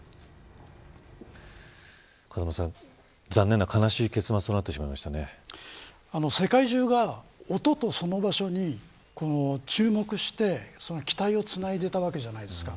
風間さん、残念ながら悲しい結末と世界中が、音とその場所に注目して期待をつないでいたわけじゃないですか。